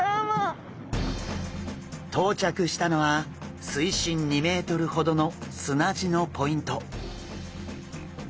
到着したのは水深２ｍほどの砂地のポイント。